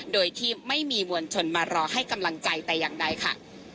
โดยที่ไม่มีมวลชนมารอให้กำลังใจแต่อย่างใดค่ะ